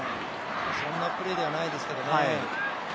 そんなプレーではないですけどね。